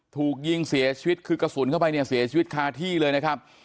ถูกยิงเสียชีวิตคือกระสุนเข้าไปเนี่ยเสียชีวิตคาที่เลยนะครับ